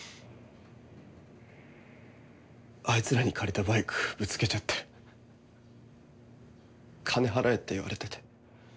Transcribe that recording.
あいつらに借りたバイクぶつけちゃって金払えって言われてて。